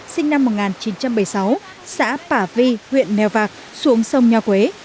sinh năm một nghìn chín trăm bảy mươi sáu xã tả vi huyện mèo vạc xuống sông nho quế